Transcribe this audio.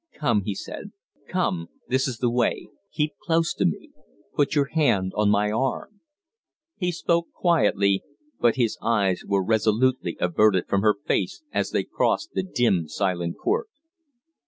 "Come!" he said. "Come! This is the way. Keep close to me. Put your hand on my arm." He spoke quietly, but his eyes were resolutely averted from her face as they crossed the dim, silent court.